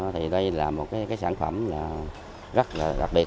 thì đây là một cái sản phẩm rất là đặc biệt